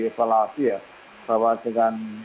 evaluasi ya bahwa dengan